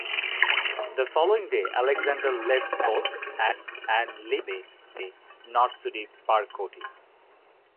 The following day, Alexander left Abydos and led his army north to Percote.